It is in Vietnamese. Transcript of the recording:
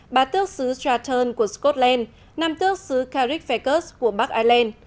bà tước xứ stratton của scotland nam tước xứ carrickfeckers của bắc ireland